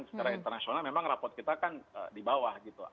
secara internasional memang raport kita kan di bawah gitu